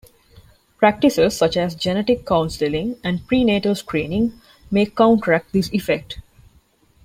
Practices such as genetic counselling and prenatal screening may counteract this effect.